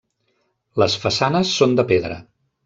Les façanes són de pedra.